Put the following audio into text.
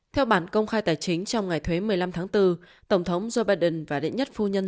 theo bản công khai tài chính trong ngày thuế một mươi năm tháng bốn tổng thống joe biden và đệ nhất phu nhân